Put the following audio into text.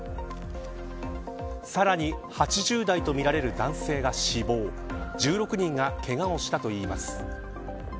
さらに８０代とみられる男性が死亡１６人がけがをしたといいます。